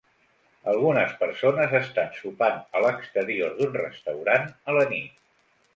Algunes persones estan sopant a l'exterior d'un restaurant a la nit.